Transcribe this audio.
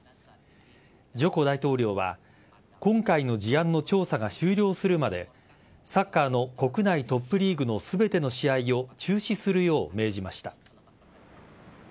ジョコ大統領は今回の事案の調査が終了するまでサッカーの国内トップリーグの全ての試合を中止するよう命じました。